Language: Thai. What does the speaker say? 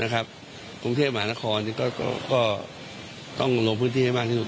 กรุงเทพมหานครก็ต้องลงพื้นที่ให้มากที่สุด